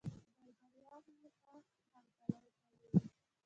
درباریانو یې ښه هرکلی کړی وو.